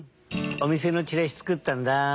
おみせのチラシつくったんだ。